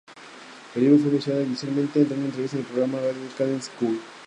El libro fue mencionado inicialmente en una entrevista con el programa radial canadiense "Q".